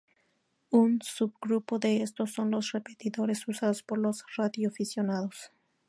Un subgrupo de estos son los repetidores usados por los radioaficionados.